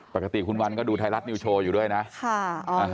ปกติคุณวันก็ดูไทยรัฐนิวโชว์อยู่ด้วยนะค่ะอ๋อแล้วอ่ะ